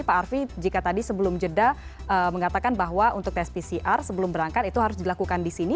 pak arfi jika tadi sebelum jeda mengatakan bahwa untuk tes pcr sebelum berangkat itu harus dilakukan di sini